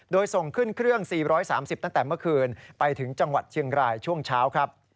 โดยส่งขึ้นเครื่อง๔๓๐ตั้งแต่เมื่อคืนไปถึงจังหวัดเชียงรายช่วงเช้าครับ